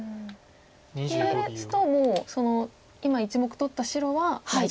これですともう今１目取った白は大丈夫。